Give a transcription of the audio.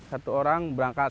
satu orang berangkat